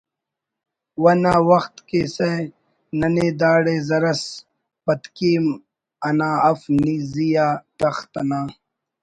و نا وخت کیسہ ننے داڑے زرس پتکیم انا اف نی زی آ تخت انا